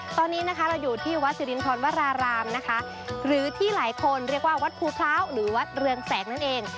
ตอนนี้เราอยู่ที่วัดสิรินทรวนารามภูพร้าวหรือว่าวัดเรืองแสงนั่นเอง